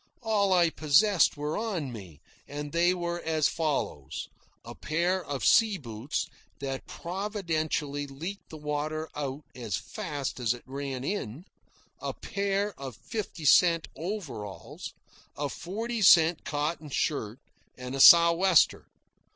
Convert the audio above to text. All I possessed were on me, and they were as follows: a pair of sea boots that providentially leaked the water out as fast as it ran in, a pair of fifty cent overalls, a forty cent cotton shirt, and a sou'wester.